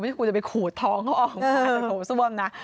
ไม่ใช่ว่าจะไปขูดทองเขาออกมาโถ่ส้วมนะ